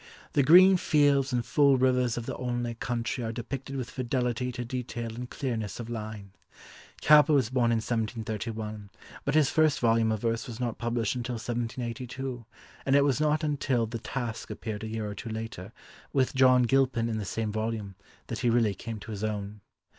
The green fields and full rivers of the Olney country are depicted with fidelity to detail and clearness of line. Cowper was born in 1731, but his first volume of verse was not published until 1782, and it was not until The Task appeared a year or two later, with John Gilpin in the same volume, that he really came to his own.